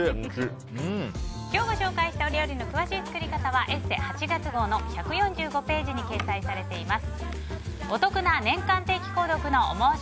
今日ご紹介した料理の詳しい作り方は「ＥＳＳＥ」８月号の１４５ページに掲載されています。